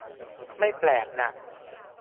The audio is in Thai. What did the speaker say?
ไม่แปลกน่ะ